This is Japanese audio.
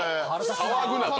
騒ぐなと。